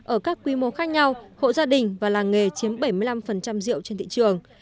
ở các quy mô khác nhau hộ gia đình và làng nghề chiếm bảy mươi năm rượu trên thị trường